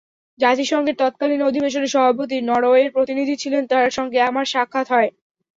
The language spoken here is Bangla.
জাতিসংঘের তৎকালীন অধিবেশনে সভাপতি নরওয়ের প্রতিনিধি ছিলেন, তাঁর সঙ্গেও আমার সাক্ষাৎ হয়।